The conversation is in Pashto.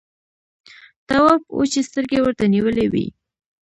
تواب وچې سترګې ورته نيولې وې.